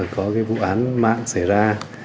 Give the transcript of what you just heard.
có vụ án mạng xảy ra